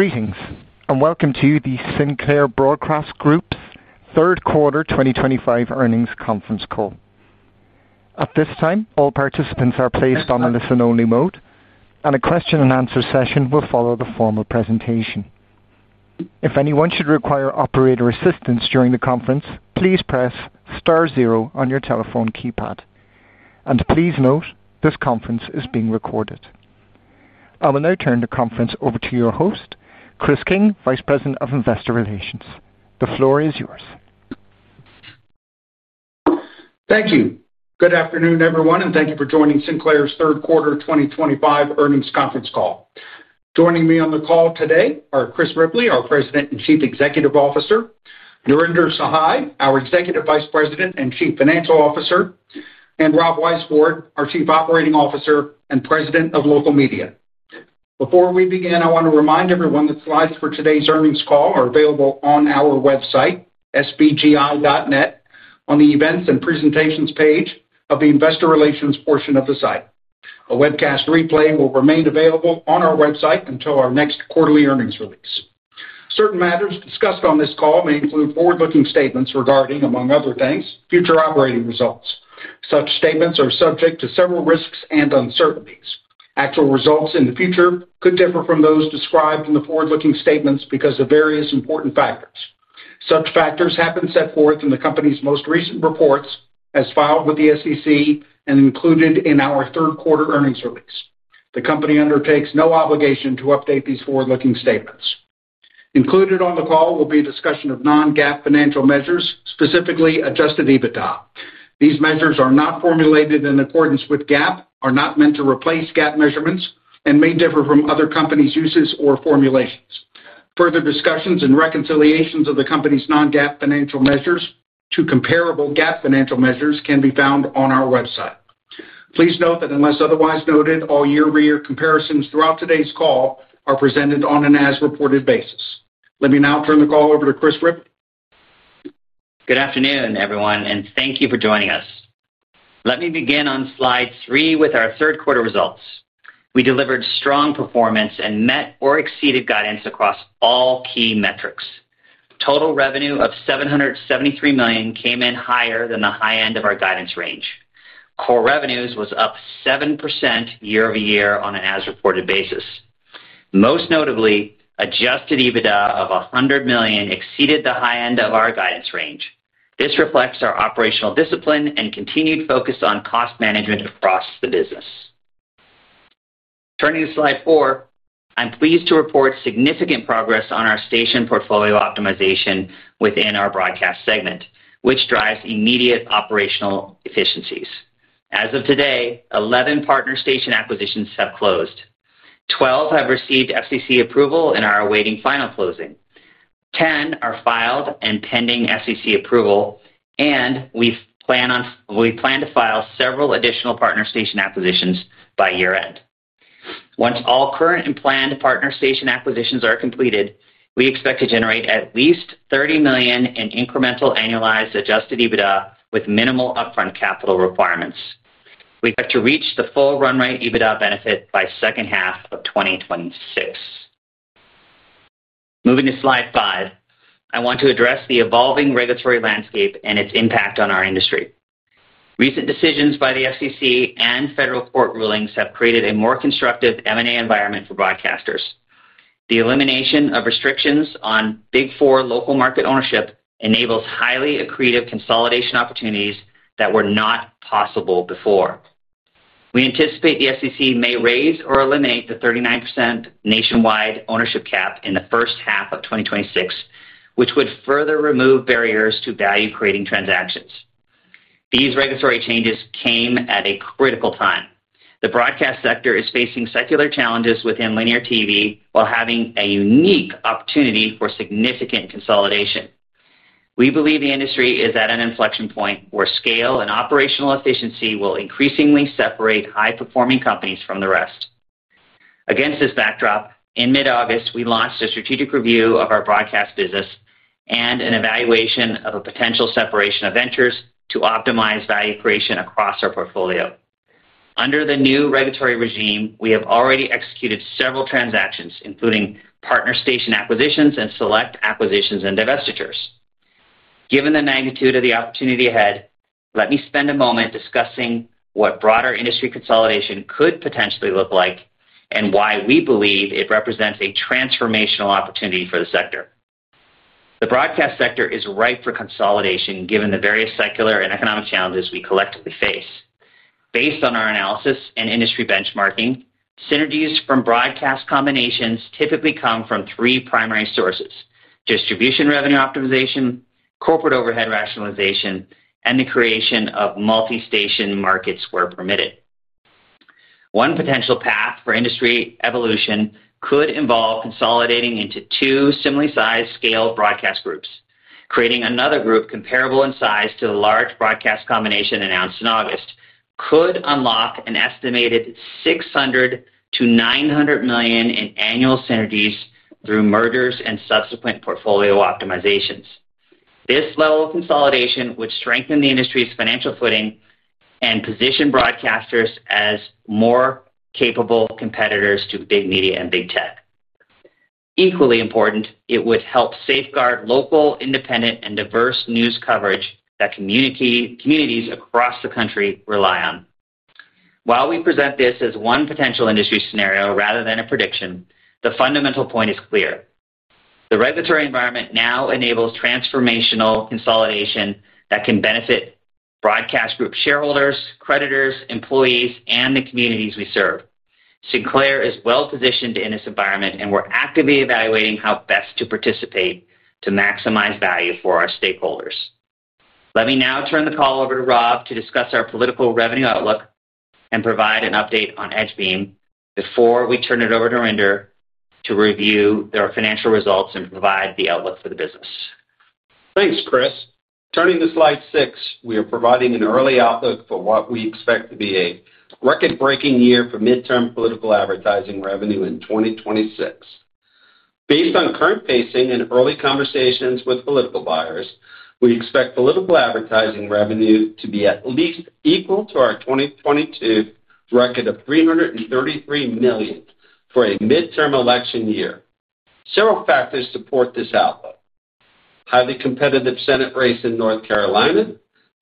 Greetings, and welcome to the Sinclair Broadcast Group's third quarter 2025 earnings conference call. At this time, all participants are placed on a listen-only mode, and a question-and-answer session will follow the formal presentation. If anyone should require operator assistance during the conference, please press star zero on your telephone keypad. Please note, this conference is being recorded. I will now turn the conference over to your host, Chris King, Vice President of Investor Relations. The floor is yours. Thank you. Good afternoon, everyone, and thank you for joining Sinclair's third quarter 2025 earnings conference call. Joining me on the call today are Chris Ripley, our President and Chief Executive Officer; Narinder Sahai, our Executive Vice President and Chief Financial Officer; and Rob Weisbord, our Chief Operating Officer and President of Local Media. Before we begin, I want to remind everyone that slides for today's earnings call are available on our website, sbgi.net, on the events and presentations page of the investor relations portion of the site. A webcast replay will remain available on our website until our next quarterly earnings release. Certain matters discussed on this call may include forward-looking statements regarding, among other things, future operating results. Such statements are subject to several risks and uncertainties. Actual results in the future could differ from those described in the forward-looking statements because of various important factors. Such factors have been set forth in the company's most recent reports, as filed with the SEC and included in our third quarter earnings release. The company undertakes no obligation to update these forward-looking statements. Included on the call will be a discussion of non-GAAP financial measures, specifically adjusted EBITDA. These measures are not formulated in accordance with GAAP, are not meant to replace GAAP measurements, and may differ from other companies' uses or formulations. Further discussions and reconciliations of the company's non-GAAP financial measures to comparable GAAP financial measures can be found on our website. Please note that unless otherwise noted, all year-over-year comparisons throughout today's call are presented on an as-reported basis. Let me now turn the call over to Chris Ripley. Good afternoon, everyone, and thank you for joining us. Let me begin on slide three with our third quarter results. We delivered strong performance and met or exceeded guidance across all key metrics. Total revenue of $773 million came in higher than the high end of our guidance range. Core revenues was up 7% year-over-year on an as-reported basis. Most notably, adjusted EBITDA of $100 million exceeded the high end of our guidance range. This reflects our operational discipline and continued focus on cost management across the business. Turning to slide four, I'm pleased to report significant progress on our station portfolio optimization within our broadcast segment, which drives immediate operational efficiencies. As of today, 11 partner station acquisitions have closed. 12 have received FCC approval and are awaiting final closing. 10 are filed and pending FCC approval, and we plan to file several additional partner station acquisitions by year-end. Once all current and planned partner station acquisitions are completed, we expect to generate at least $30 million in incremental annualized adjusted EBITDA with minimal upfront capital requirements. We expect to reach the full run-rate EBITDA benefit by the second half of 2026. Moving to slide five, I want to address the evolving regulatory landscape and its impact on our industry. Recent decisions by the FCC and federal court rulings have created a more constructive M&A environment for broadcasters. The elimination of restrictions on big four local market ownership enables highly accretive consolidation opportunities that were not possible before. We anticipate the FCC may raise or eliminate the 39% nationwide ownership cap in the first half of 2026, which would further remove barriers to value-creating transactions. These regulatory changes came at a critical time. The broadcast sector is facing secular challenges within linear TV while having a unique opportunity for significant consolidation. We believe the industry is at an inflection point where scale and operational efficiency will increasingly separate high-performing companies from the rest. Against this backdrop, in mid-August, we launched a strategic review of our broadcast business and an evaluation of a potential separation of ventures to optimize value creation across our portfolio. Under the new regulatory regime, we have already executed several transactions, including partner station acquisitions and select acquisitions and divestitures. Given the magnitude of the opportunity ahead, let me spend a moment discussing what broader industry consolidation could potentially look like and why we believe it represents a transformational opportunity for the sector. The broadcast sector is ripe for consolidation given the various secular and economic challenges we collectively face. Based on our analysis and industry benchmarking, synergies from broadcast combinations typically come from three primary sources: distribution revenue optimization, corporate overhead rationalization, and the creation of multi-station markets where permitted. One potential path for industry evolution could involve consolidating into two similarly sized scaled broadcast groups. Creating another group comparable in size to the large broadcast combination announced in August could unlock an estimated $600 million-$900 million in annual synergies through mergers and subsequent portfolio optimizations. This level of consolidation would strengthen the industry's financial footing and position broadcasters as more capable competitors to big media and big tech. Equally important, it would help safeguard local, independent, and diverse news coverage that communities across the country rely on. While we present this as one potential industry scenario rather than a prediction, the fundamental point is clear. The regulatory environment now enables transformational consolidation that can benefit broadcast group shareholders, creditors, employees, and the communities we serve. Sinclair is well-positioned in this environment, and we're actively evaluating how best to participate to maximize value for our stakeholders. Let me now turn the call over to Rob to discuss our political revenue outlook and provide an update on EdgeBeam before we turn it over to Narinder to review their financial results and provide the outlook for the business. Thanks, Chris. Turning to slide six, we are providing an early outlook for what we expect to be a record-breaking year for midterm political advertising revenue in 2026. Based on current pacing and early conversations with political buyers, we expect political advertising revenue to be at least equal to our 2022 record of $333 million for a midterm election year. Several factors support this outlook: highly competitive senate race in North Carolina,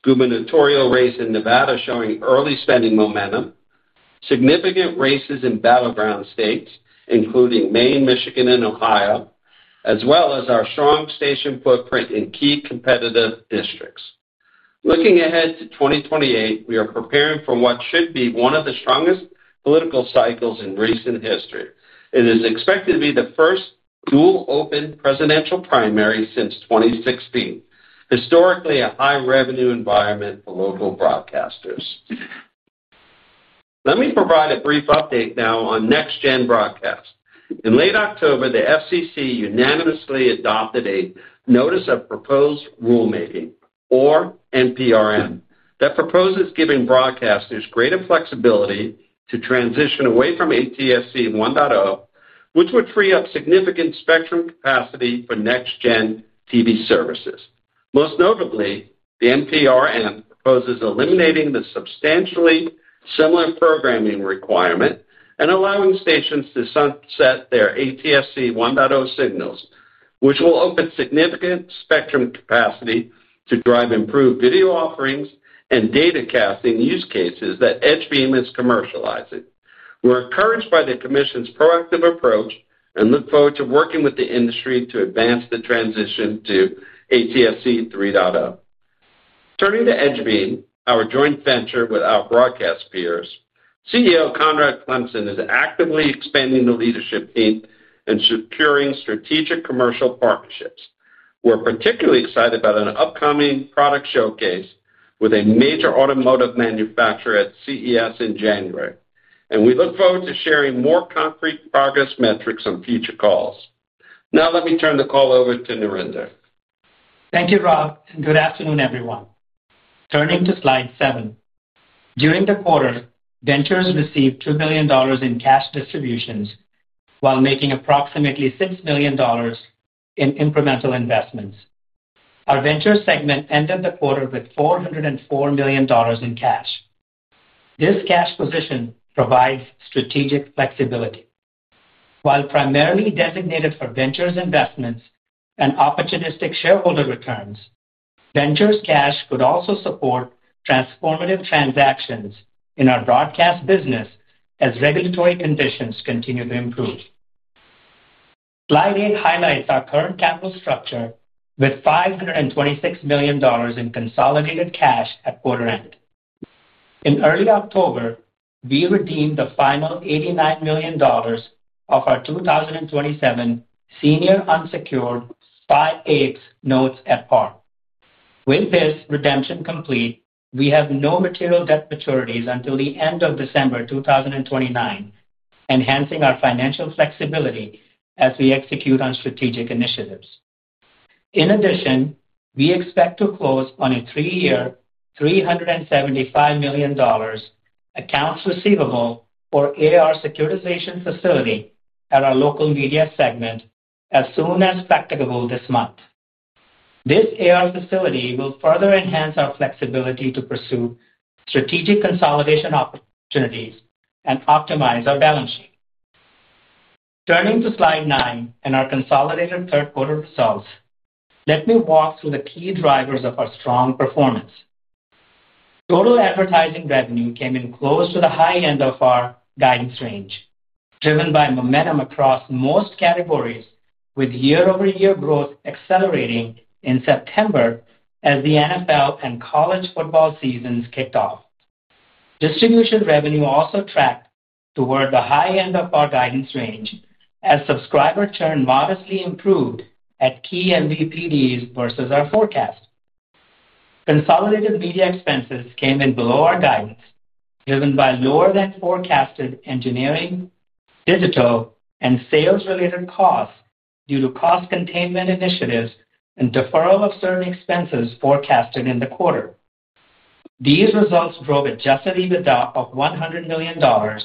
gubernatorial race in Nevada showing early spending momentum, significant races in battleground states including Maine, Michigan, and Ohio, as well as our strong station footprint in key competitive districts. Looking ahead to 2028, we are preparing for what should be one of the strongest political cycles in recent history. It is expected to be the first dual-open presidential primary since 2016, historically a high-revenue environment for local broadcasters. Let me provide a brief update now on next-gen broadcast. In late October, the FCC unanimously adopted a Notice of Proposed Rulemaking, or NPRM, that proposes giving broadcasters greater flexibility to transition away from ATSC 1.0, which would free up significant spectrum capacity for next-gen TV services. Most notably, the NPRM proposes eliminating the substantially similar programming requirement and allowing stations to sunset their ATSC 1.0 signals, which will open significant spectrum capacity to drive improved video offerings and data casting use cases that EdgeBeam is commercializing. We're encouraged by the commission's proactive approach and look forward to working with the industry to advance the transition to ATSC 3.0. Turning to EdgeBeam, our joint venture with our broadcast peers, CEO Conrad Clemson is actively expanding the leadership team and securing strategic commercial partnerships. We're particularly excited about an upcoming product showcase with a major automotive manufacturer at CES in January, and we look forward to sharing more concrete progress metrics on future calls. Now, let me turn the call over to Narinder. Thank you, Rob, and good afternoon, everyone. Turning to slide seven, during the quarter, ventures received $2 billion in cash distributions while making approximately $6 million in incremental investments. Our venture segment ended the quarter with $404 million in cash. This cash position provides strategic flexibility. While primarily designated for ventures investments and opportunistic shareholder returns, ventures cash could also support transformative transactions in our broadcast business as regulatory conditions continue to improve. Slide eight highlights our current capital structure with $526 million in consolidated cash at quarter end. In early October, we redeemed the final $89 million of our 2027 senior unsecured spy apes notes at par. With this redemption complete, we have no material debt maturities until the end of December 2029, enhancing our financial flexibility as we execute on strategic initiatives. In addition, we expect to close on a three-year $375 million. Accounts receivable for AR securitization facility at our Local Media segment as soon as practicable this month. This AR facility will further enhance our flexibility to pursue strategic consolidation opportunities and optimize our balance sheet. Turning to slide nine and our consolidated third quarter results, let me walk through the key drivers of our strong performance. Total advertising revenue came in close to the high end of our guidance range, driven by momentum across most categories, with year-over-year growth accelerating in September as the NFL and college football seasons kicked off. Distribution revenue also tracked toward the high end of our guidance range as subscriber churn modestly improved at key MVPDs versus our forecast. Consolidated media expenses came in below our guidance, driven by lower-than-forecasted engineering, digital, and sales-related costs due to cost containment initiatives and deferral of certain expenses forecasted in the quarter. These results drove adjusted EBITDA of $100 million, 22%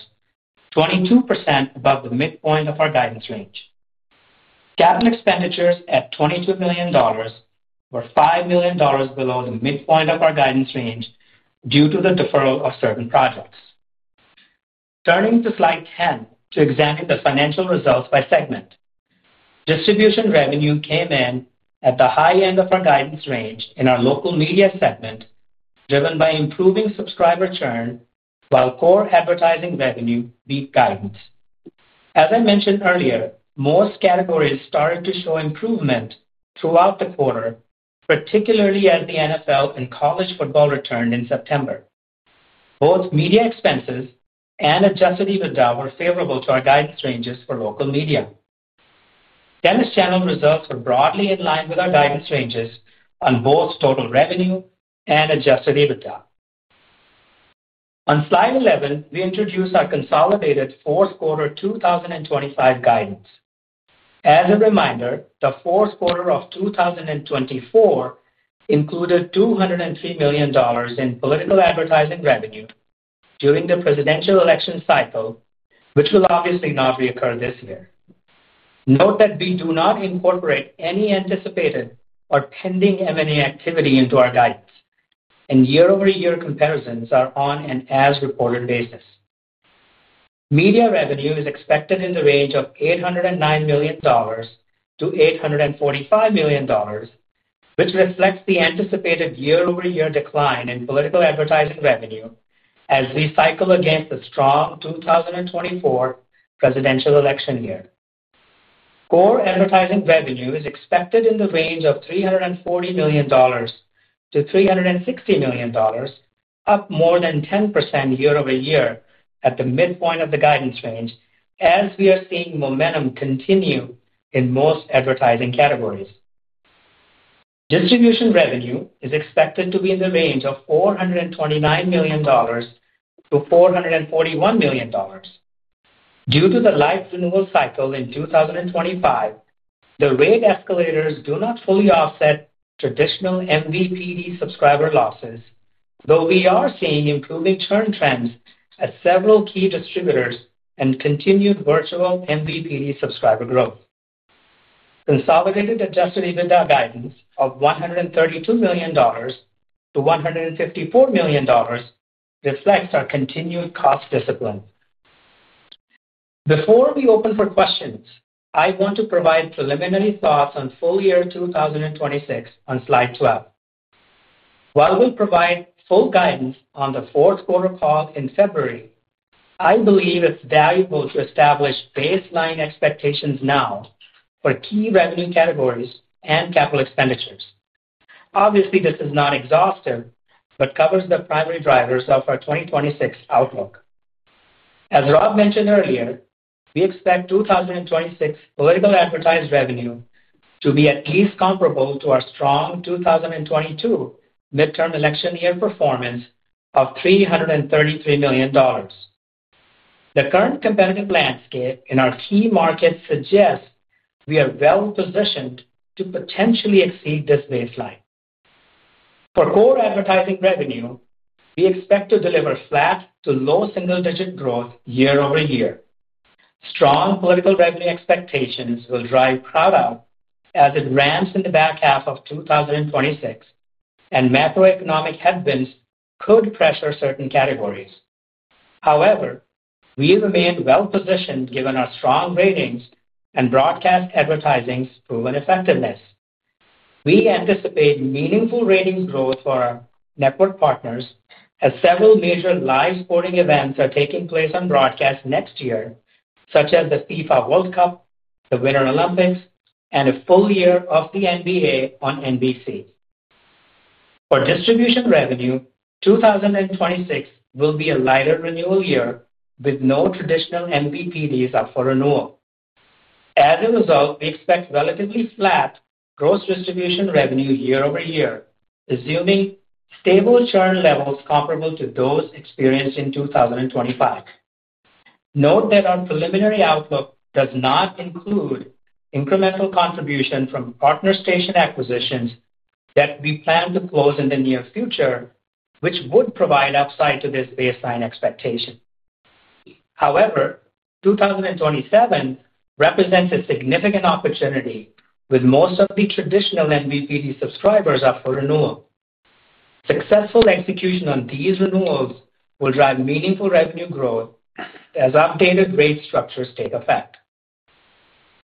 above the midpoint of our guidance range. Capital expenditures at $22 million were $5 million below the midpoint of our guidance range due to the deferral of certain projects. Turning to slide 10 to examine the financial results by segment, distribution revenue came in at the high end of our guidance range in our local media segment, driven by improving subscriber churn while core advertising revenue beat guidance. As I mentioned earlier, most categories started to show improvement throughout the quarter, particularly as the NFL and college football returned in September. Both media expenses and adjusted EBITDA were favorable to our guidance ranges for local media. Tennis Channel results were broadly in line with our guidance ranges on both total revenue and adjusted EBITDA. On slide 11, we introduce our consolidated fourth quarter 2025 guidance. As a reminder, the fourth quarter of 2024 included $203 million in political advertising revenue during the presidential election cycle, which will obviously not reoccur this year. Note that we do not incorporate any anticipated or pending M&A activity into our guidance, and year-over-year comparisons are on an as-reported basis. Media revenue is expected in the range of $809 million-$845 million, which reflects the anticipated year-over-year decline in political advertising revenue as we cycle against the strong 2024 presidential election year. Core advertising revenue is expected in the range of $340 million-$360 million, up more than 10% year-over-year at the midpoint of the guidance range, as we are seeing momentum continue in most advertising categories. Distribution revenue is expected to be in the range of $429 million-$441 million. Due to the life renewal cycle in 2025, the rate escalators do not fully offset traditional MVPD subscriber losses, though we are seeing improving churn trends at several key distributors and continued virtual MVPD subscriber growth. Consolidated adjusted EBITDA guidance of $132 million-$154 million reflects our continued cost discipline. Before we open for questions, I want to provide preliminary thoughts on full year 2026 on slide 12. While we'll provide full guidance on the fourth quarter call in February, I believe it's valuable to establish baseline expectations now for key revenue categories and capital expenditures. Obviously, this is not exhaustive, but covers the primary drivers of our 2026 outlook. As Rob mentioned earlier, we expect 2026 political advertised revenue to be at least comparable to our strong 2022 midterm election year performance of $333 million. The current competitive landscape in our key markets suggests we are well-positioned to potentially exceed this baseline. For core advertising revenue, we expect to deliver flat to low single-digit growth year-over-year. Strong political revenue expectations will drive crowd out as it ramps in the back half of 2026, and macroeconomic headwinds could pressure certain categories. However, we remain well-positioned given our strong ratings and broadcast advertising's proven effectiveness. We anticipate meaningful ratings growth for our network partners as several major live sporting events are taking place on broadcast next year, such as the FIFA World Cup, the Winter Olympics, and a full year of the NBA on NBC. For distribution revenue, 2026 will be a lighter renewal year with no traditional MVPDs up for renewal. As a result, we expect relatively flat gross distribution revenue year-over-year, assuming stable churn levels comparable to those experienced in 2025. Note that our preliminary outlook does not include incremental contribution from partner station acquisitions that we plan to close in the near future, which would provide upside to this baseline expectation. However, 2027 represents a significant opportunity, with most of the traditional MVPD subscribers up for renewal. Successful execution on these renewals will drive meaningful revenue growth as updated rate structures take effect.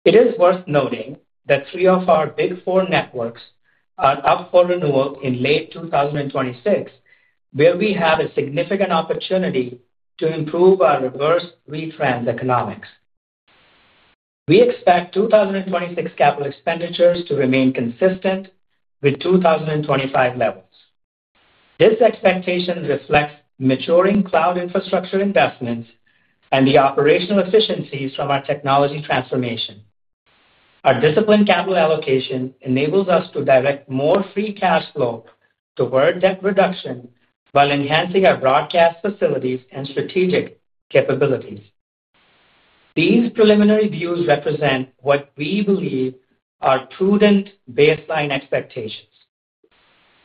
It is worth noting that three of our big four networks are up for renewal in late 2026, where we have a significant opportunity to improve our reverse retrans economics. We expect 2026 capital expenditures to remain consistent with 2025 levels. This expectation reflects maturing cloud infrastructure investments and the operational efficiencies from our technology transformation. Our disciplined capital allocation enables us to direct more free cash flow toward debt reduction while enhancing our broadcast facilities and strategic capabilities. These preliminary views represent what we believe are prudent baseline expectations.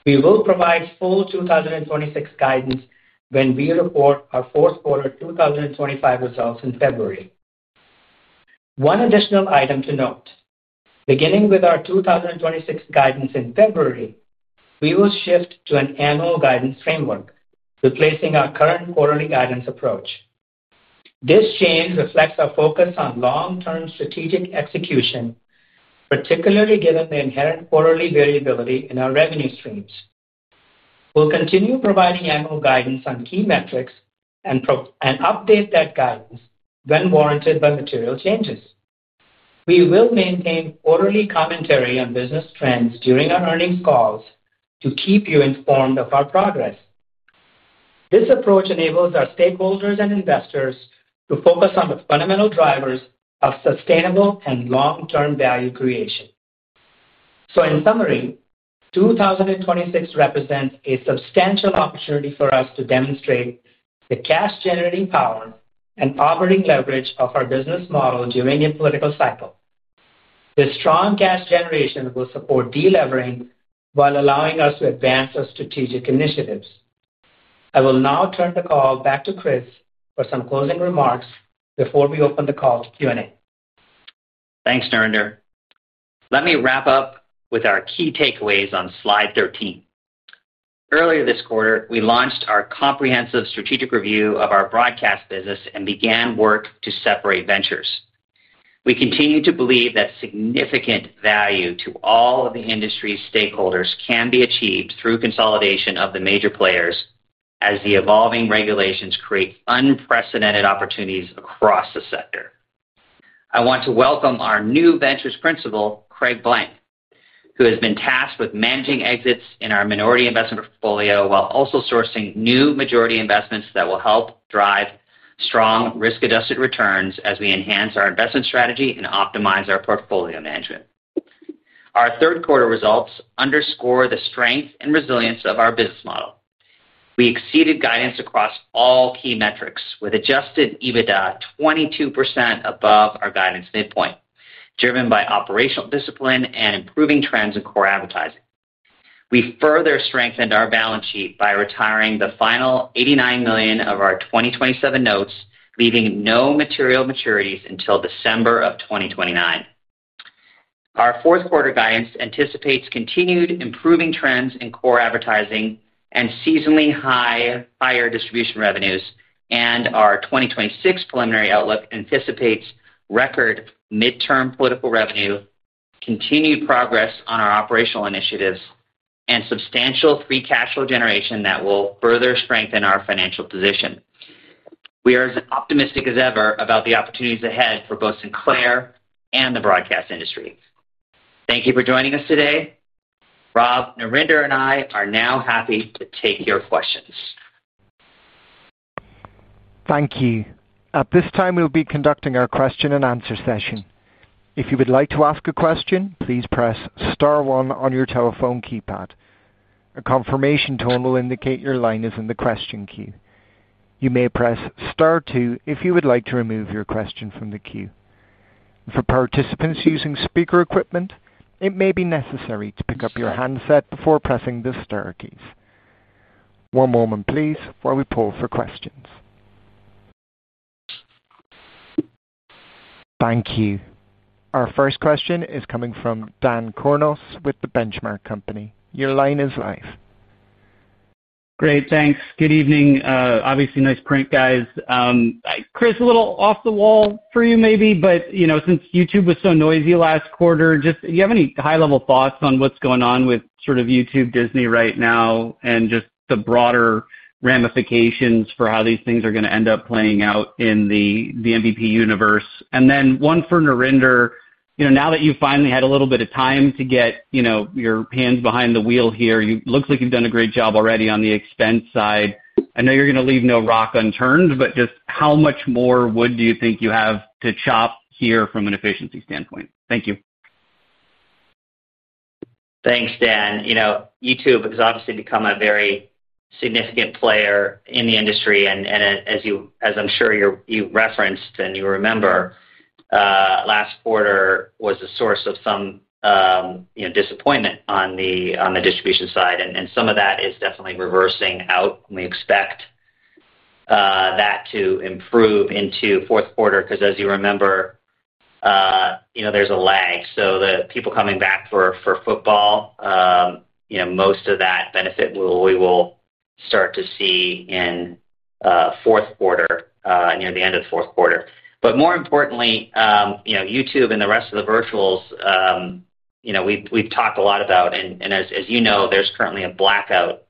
We will provide full 2026 guidance when we report our fourth quarter 2025 results in February. One additional item to note: beginning with our 2026 guidance in February, we will shift to an annual guidance framework, replacing our current quarterly guidance approach. This change reflects our focus on long-term strategic execution, particularly given the inherent quarterly variability in our revenue streams. We'll continue providing annual guidance on key metrics and update that guidance when warranted by material changes. We will maintain quarterly commentary on business trends during our earnings calls to keep you informed of our progress. This approach enables our stakeholders and investors to focus on the fundamental drivers of sustainable and long-term value creation. In summary, 2026 represents a substantial opportunity for us to demonstrate the cash-generating power and operating leverage of our business model during a political cycle. This strong cash generation will support deleveraging while allowing us to advance our strategic initiatives. I will now turn the call back to Chris for some closing remarks before we open the call to Q&A. Thanks, Narinder. Let me wrap up with our key takeaways on slide 13. Earlier this quarter, we launched our comprehensive strategic review of our broadcast business and began work to separate ventures. We continue to believe that significant value to all of the industry's stakeholders can be achieved through consolidation of the major players as the evolving regulations create unprecedented opportunities across the sector. I want to welcome our new ventures principal, Craig Blank, who has been tasked with managing exits in our minority investment portfolio while also sourcing new majority investments that will help drive strong risk-adjusted returns as we enhance our investment strategy and optimize our portfolio management. Our third quarter results underscore the strength and resilience of our business model. We exceeded guidance across all key metrics, with adjusted EBITDA 22% above our guidance midpoint, driven by operational discipline and improving trends in core advertising. We further strengthened our balance sheet by retiring the final $89 million of our 2027 notes, leaving no material maturities until December of 2029. Our fourth quarter guidance anticipates continued improving trends in core advertising and seasonally higher distribution revenues, and our 2026 preliminary outlook anticipates record midterm political revenue, continued progress on our operational initiatives, and substantial free cash flow generation that will further strengthen our financial position. We are as optimistic as ever about the opportunities ahead for both Sinclair and the broadcast industry. Thank you for joining us today. Rob, Narinder, and I are now happy to take your questions. Thank you. At this time, we'll be conducting our question-and-answer session. If you would like to ask a question, please press star one on your telephone keypad. A confirmation tone will indicate your line is in the question queue. You may press star two if you would like to remove your question from the queue. For participants using speaker equipment, it may be necessary to pick up your handset before pressing the star keys. One moment, please, while we poll for questions. Thank you. Our first question is coming from Dan Kurnos with The Benchmark Company. Your line is live. Great. Thanks. Good evening. Obviously, nice print, guys. Chris, a little off the wall for you, maybe, but since YouTube was so noisy last quarter, do you have any high-level thoughts on what's going on with sort of YouTube Disney right now and just the broader ramifications for how these things are going to end up playing out in the MVPD universe? One for Narinder, now that you finally had a little bit of time to get your hands behind the wheel here, it looks like you've done a great job already on the expense side. I know you're going to leave no rock unturned, but just how much more wood do you think you have to chop here from an efficiency standpoint? Thank you. Thanks, Dan. YouTube has obviously become a very significant player in the industry, and as I'm sure you referenced and you remember, last quarter was a source of some disappointment on the distribution side, and some of that is definitely reversing out, and we expect that to improve into fourth quarter because, as you remember, there's a lag. So the people coming back for football, most of that benefit we will start to see in fourth quarter, near the end of the fourth quarter. More importantly, YouTube and the rest of the virtuals, we've talked a lot about, and as you know, there's currently a blackout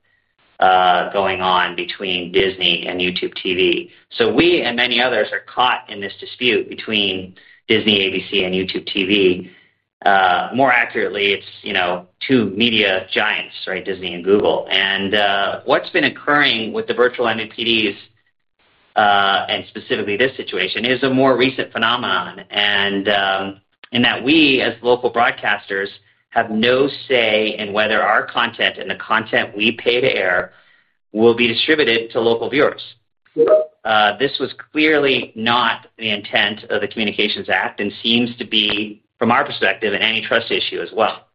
going on between Disney and YouTube TV. We and many others are caught in this dispute between Disney, ABC and YouTube TV. More accurately, it's two media giants, right, Disney and Google. And what's been occurring with the virtual MVPDs. Specifically, this situation is a more recent phenomenon in that we as local broadcasters have no say in whether our content and the content we pay to air will be distributed to local viewers. This was clearly not the intent of the Communications Act and seems to be, from our perspective, an antitrust issue as well.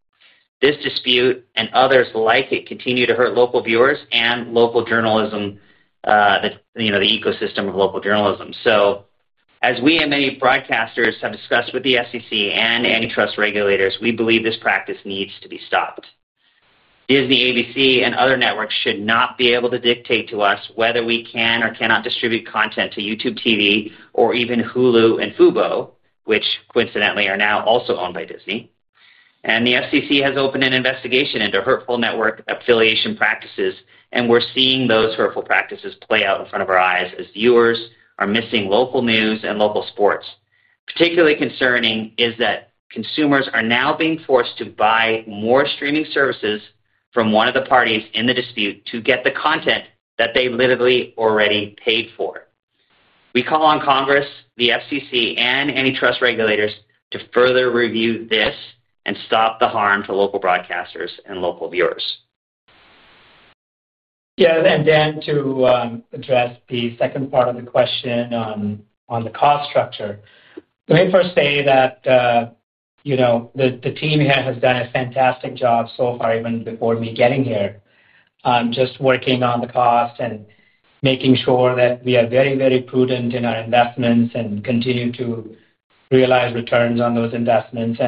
This dispute and others like it continue to hurt local viewers and local journalism, the ecosystem of local journalism. As we and many broadcasters have discussed with the SEC and antitrust regulators, we believe this practice needs to be stopped. Disney, ABC, and other networks should not be able to dictate to us whether we can or cannot distribute content to YouTube TV or even Hulu and Fubo, which coincidentally are now also owned by Disney. The SEC has opened an investigation into hurtful network affiliation practices, and we're seeing those hurtful practices play out in front of our eyes as viewers are missing local news and local sports. Particularly concerning is that consumers are now being forced to buy more streaming services from one of the parties in the dispute to get the content that they literally already paid for. We call on Congress, the SEC, and antitrust regulators to further review this and stop the harm to local broadcasters and local viewers. Yeah. Dan, to address the second part of the question on the cost structure, let me first say that the team here has done a fantastic job so far, even before me getting here, just working on the cost and making sure that we are very, very prudent in our investments and continue to realize returns on those investments.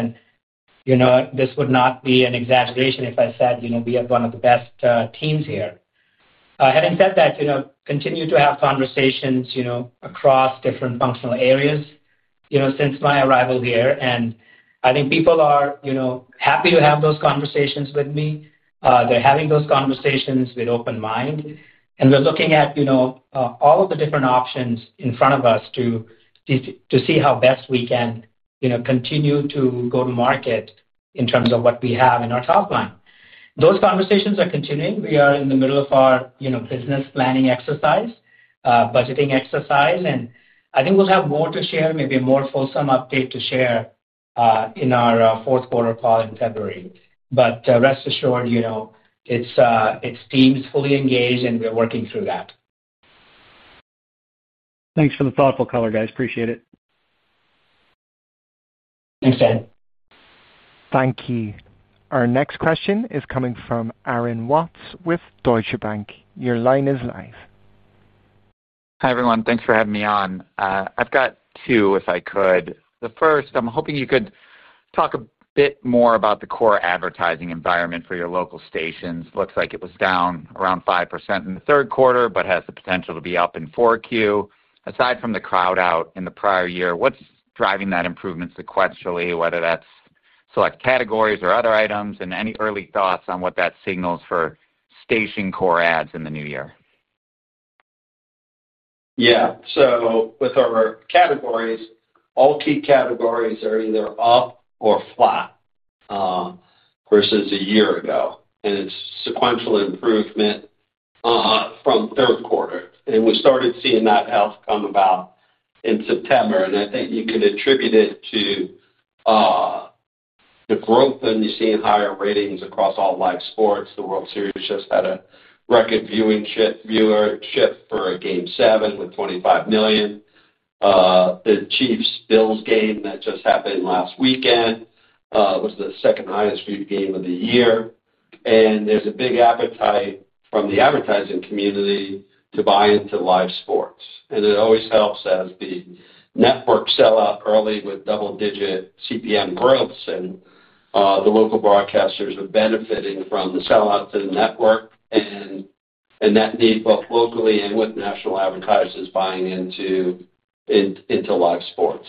This would not be an exaggeration if I said we have one of the best teams here. Having said that, continue to have conversations across different functional areas since my arrival here, and I think people are happy to have those conversations with me. They're having those conversations with open mind, and we're looking at all of the different options in front of us to see how best we can continue to go to market in terms of what we have in our top line. Those conversations are continuing. We are in the middle of our business planning exercise, budgeting exercise, and I think we'll have more to share, maybe a more fulsome update to share in our fourth quarter call in February. Rest assured, its team's fully engaged, and we're working through that. Thanks for the thoughtful color, guys. Appreciate it. Thanks, Dan. Thank you. Our next question is coming from Aaron Watts with Deutsche Bank. Your line is live. Hi, everyone. Thanks for having me on. I've got two, if I could. The first, I'm hoping you could talk a bit more about the core advertising environment for your local stations. Looks like it was down around 5% in the third quarter but has the potential to be up in fourth year. Aside from the crowd out in the prior year, what's driving that improvement sequentially, whether that's select categories or other items? Any early thoughts on what that signals for station core ads in the new year? Yeah. With our categories, all key categories are either up or flat versus a year ago. It is sequential improvement from third quarter. We started seeing that outcome about September, and I think you could attribute it to the growth, and you're seeing higher ratings across all live sports. The World Series just had a record viewership for a Game 7 with 25 million. The Chiefs-Bills game that just happened last weekend was the second-highest viewed game of the year. There is a big appetite from the advertising community to buy into live sports. It always helps as the networks sell out early with double-digit CPM growths, and the local broadcasters are benefiting from the sell-out to the network and that need both locally and with national advertisers buying into live sports.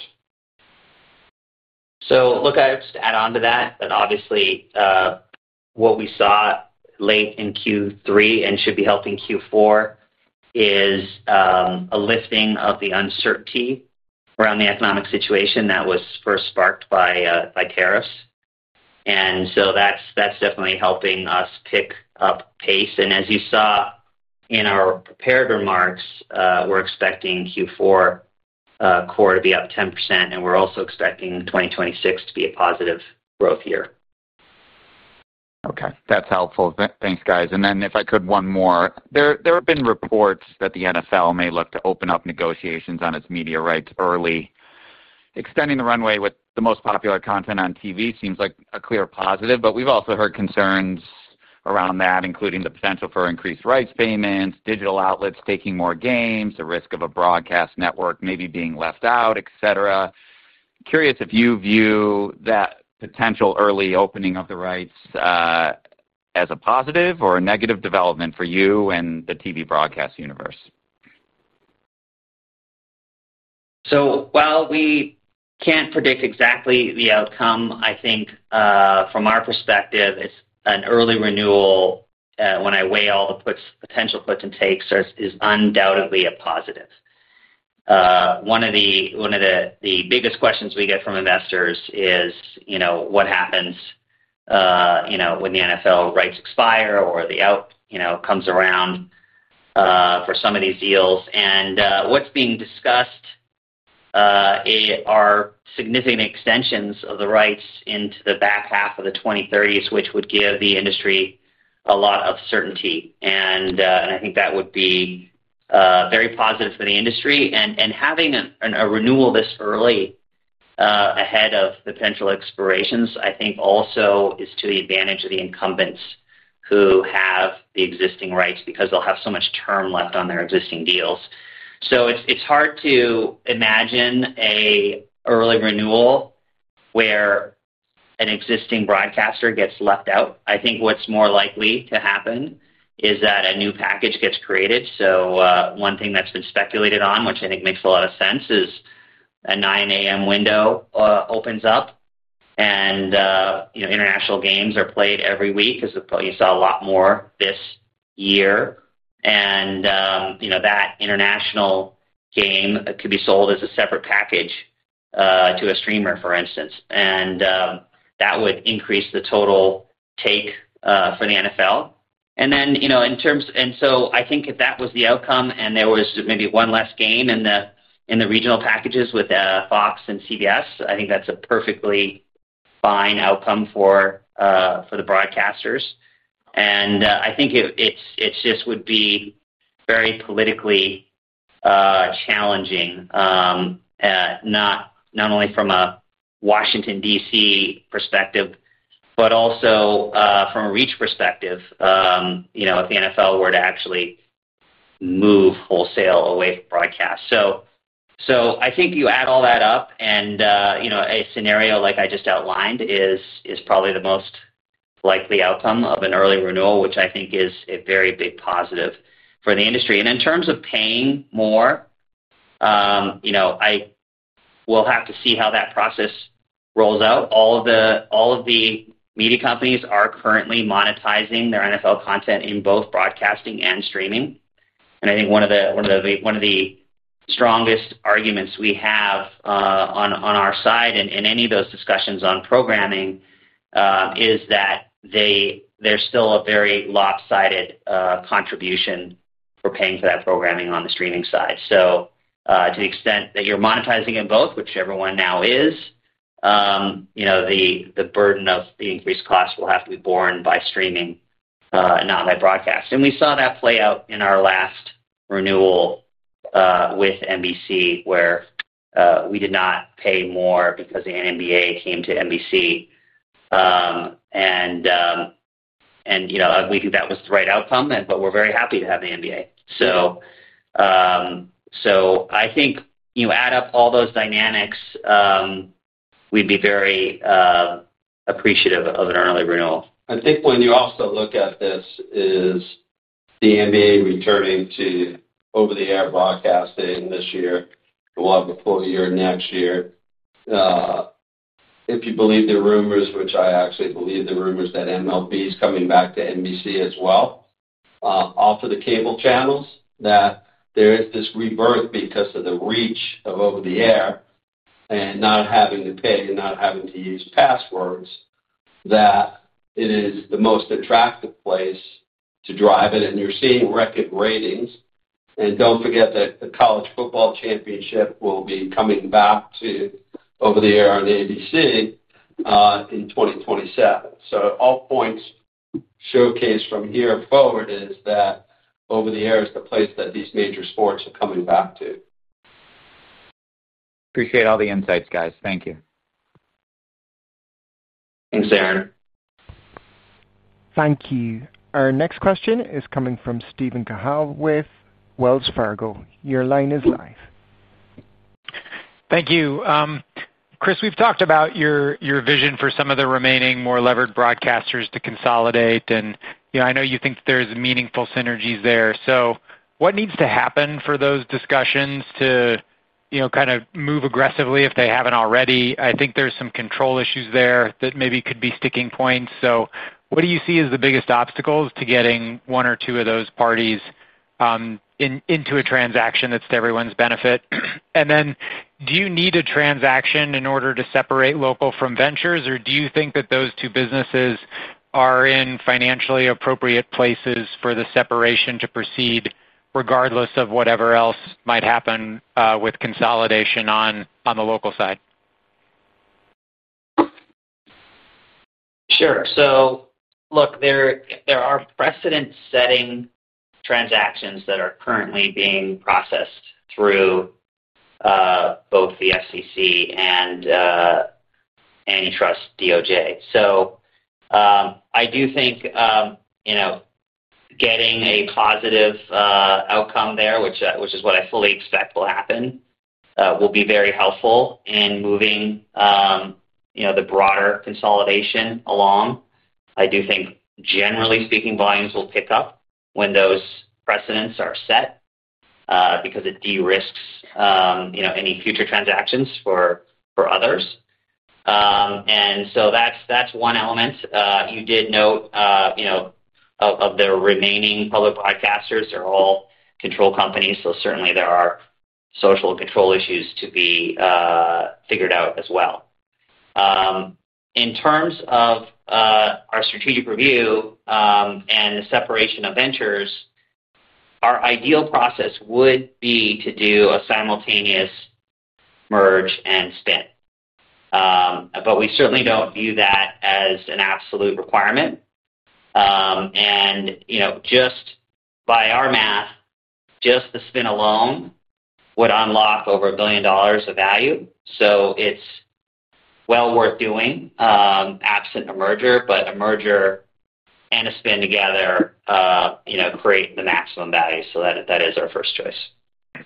Look, I would just add on to that that obviously what we saw late in Q3 and should be helping Q4 is a lifting of the uncertainty around the economic situation that was first sparked by tariffs. That is definitely helping us pick up pace. As you saw in our prepared remarks, we're expecting Q4 core to be up 10%, and we're also expecting 2026 to be a positive growth year. Okay. That's helpful. Thanks, guys. If I could, one more. There have been reports that the NFL may look to open up negotiations on its media rights early. Extending the runway with the most popular content on TV seems like a clear positive, but we've also heard concerns around that, including the potential for increased rights payments, digital outlets taking more games, the risk of a broadcast network maybe being left out, etc. Curious if you view that potential early opening of the rights as a positive or a negative development for you and the TV broadcast universe. While we can't predict exactly the outcome, I think from our perspective, an early renewal when I weigh all the potential puts and takes is undoubtedly a positive. One of the biggest questions we get from investors is what happens when the NFL rights expire or the out comes around for some of these deals. What's being discussed are significant extensions of the rights into the back half of the 2030s, which would give the industry a lot of certainty. I think that would be very positive for the industry. Having a renewal this early ahead of the potential expirations, I think also is to the advantage of the incumbents who have the existing rights because they'll have so much term left on their existing deals. It's hard to imagine an early renewal where an existing broadcaster gets left out. I think what's more likely to happen is that a new package gets created. One thing that's been speculated on, which I think makes a lot of sense, is a 9:00 A.M. window opens up. International games are played every week because you saw a lot more this year. That international game could be sold as a separate package to a streamer, for instance. That would increase the total take for the NFL. In terms, I think if that was the outcome and there was maybe one less game in the regional packages with Fox and CBS, I think that's a perfectly fine outcome for the broadcasters. I think it just would be very politically challenging, not only from a Washington, D.C. perspective, but also from a reach perspective, if the NFL were to actually move wholesale away from broadcast. I think you add all that up, and a scenario like I just outlined is probably the most likely outcome of an early renewal, which I think is a very big positive for the industry. In terms of paying more, we'll have to see how that process rolls out. All of the media companies are currently monetizing their NFL content in both broadcasting and streaming. I think one of the strongest arguments we have on our side in any of those discussions on programming is that there's still a very lopsided contribution for paying for that programming on the streaming side. To the extent that you're monetizing it both, which everyone now is, the burden of the increased cost will have to be borne by streaming and not by broadcast. We saw that play out in our last renewal. With NBC, where we did not pay more because the NBA came to NBC. We think that was the right outcome, but we're very happy to have the NBA. I think add up all those dynamics. We'd be very appreciative of an early renewal. I think when you also look at this is. The NBA returning to over-the-air broadcasting this year, the one before the year next year. If you believe the rumors, which I actually believe the rumors that MLB is coming back to NBC as well. Off of the cable channels, that there is this rebirth because of the reach of over-the-air. And not having to pay and not having to use passwords, that it is the most attractive place to drive it. You're seeing record ratings. Do not forget that the college football championship will be coming back to over-the-air on ABC in 2027. All points showcased from here forward is that over-the-air is the place that these major sports are coming back to. Appreciate all the insights, guys. Thank you. Thanks, Aaron. Thank you. Our next question is coming from Steven Cahall with Wells Fargo. Your line is live. Thank you. Chris, we've talked about your vision for some of the remaining more levered broadcasters to consolidate. I know you think there's meaningful synergies there. What needs to happen for those discussions to kind of move aggressively if they haven't already? I think there's some control issues there that maybe could be sticking points. What do you see as the biggest obstacles to getting one or two of those parties into a transaction that's to everyone's benefit? Do you need a transaction in order to separate local from ventures, or do you think that those two businesses are in financially appropriate places for the separation to proceed regardless of whatever else might happen with consolidation on the local side? Sure. So look, there are precedent-setting transactions that are currently being processed through both the SEC and antitrust DOJ. I do think getting a positive outcome there, which is what I fully expect will happen, will be very helpful in moving the broader consolidation along. I do think, generally speaking, volumes will pick up when those precedents are set because it de-risks any future transactions for others. That's one element. You did note the remaining public broadcasters are all control companies, so certainly there are social control issues to be figured out as well. In terms of our strategic review and the separation of ventures, our ideal process would be to do a simultaneous merge and spin, but we certainly don't view that as an absolute requirement. Just by our math, just the spin alone would unlock over $1 billion of value. So it's. Worth doing. Absent a merger, but a merger and a spin together create the maximum value. So that is our first choice.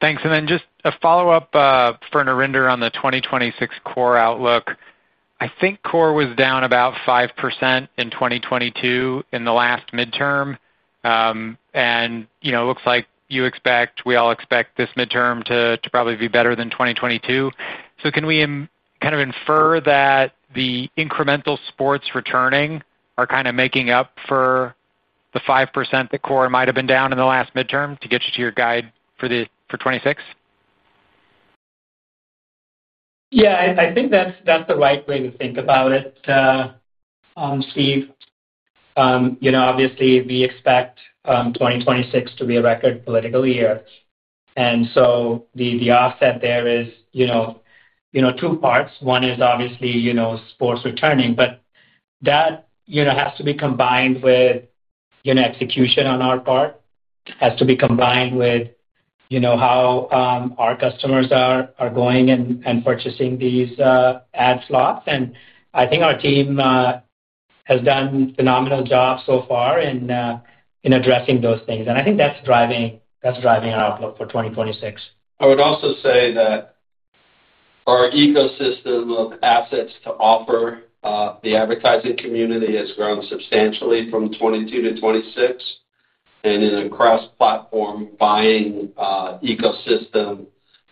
Thanks. Just a follow-up for Narinder on the 2026 core outlook. I think core was down about 5% in 2022 in the last midterm. It looks like we all expect this midterm to probably be better than 2022. Can we kind of infer that the incremental sports returning are kind of making up for the 5% that core might have been down in the last midterm to get you to your guide for 2026? Yeah. I think that's the right way to think about it, Steve. Obviously, we expect 2026 to be a record political year. The offset there is two parts. One is obviously sports returning, but that has to be combined with execution on our part. It has to be combined with how our customers are going and purchasing these ad slots. I think our team has done a phenomenal job so far in addressing those things. I think that's driving our outlook for 2026. I would also say that our ecosystem of assets to offer the advertising community has grown substantially from 2022 to 2026. In a cross-platform buying ecosystem,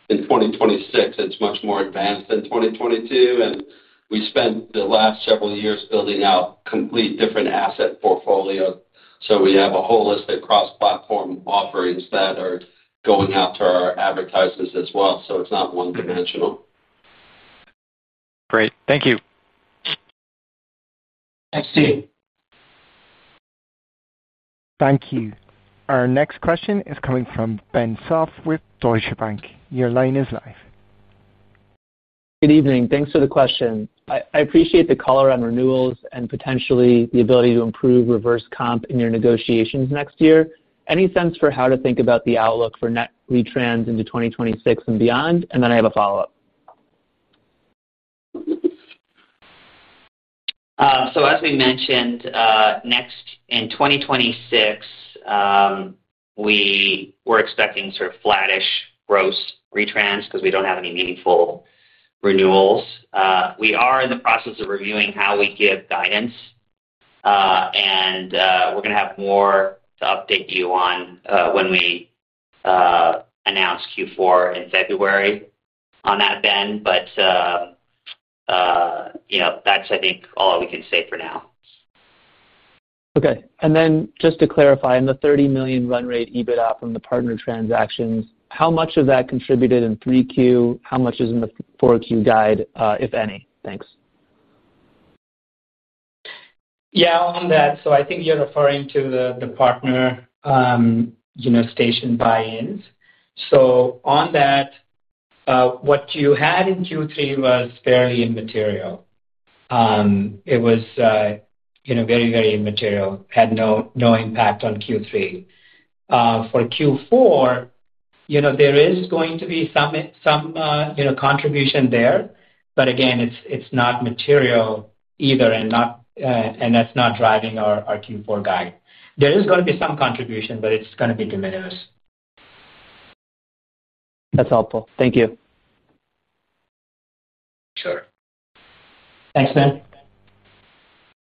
in 2026, it is much more advanced than 2022. We spent the last several years building out complete different asset portfolios. We have a holistic cross-platform offerings that are going out to our advertisers as well. It is not one-dimensional. Great. Thank you. Thanks, Steve. Thank you. Our next question is coming from Ben Soff with Deutsche Bank. Your line is live. Good evening. Thanks for the question. I appreciate the color on renewals and potentially the ability to improve reverse comp in your negotiations next year. Any sense for how to think about the outlook for net retrans into 2026 and beyond? I have a follow-up. As we mentioned, in 2026, we were expecting sort of flattish gross retrans because we do not have any meaningful renewals. We are in the process of reviewing how we give guidance, and we are going to have more to update you on when we announce Q4 in February on that, Ben. That is, I think, all we can say for now. Okay. Just to clarify, in the $30 million run rate EBITDA from the partner transactions, how much of that contributed in 3Q? How much is in the 4Q guide, if any? Thanks. Yeah. On that, I think you're referring to the partner station buy-ins. On that, what you had in Q3 was fairly immaterial. It was very, very immaterial. Had no impact on Q3. For Q4, there is going to be some contribution there. Again, it's not material either, and that's not driving our Q4 guide. There is going to be some contribution, but it's going to be diminished. That's helpful. Thank you. Sure. Thanks, Ben.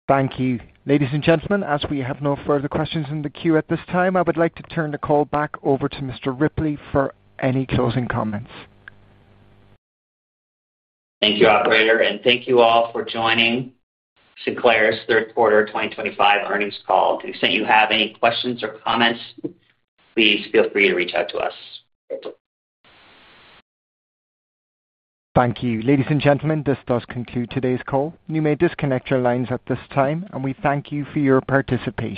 Thank you. Ladies and gentlemen, as we have no further questions in the queue at this time, I would like to turn the call back over to Mr. Ripley for any closing comments. Thank you, operator. Thank you all for joining. Sinclair's third-quarter 2025 earnings call. To the extent you have any questions or comments, please feel free to reach out to us. Thank you. Ladies and gentlemen, this does conclude today's call. You may disconnect your lines at this time, and we thank you for your participation.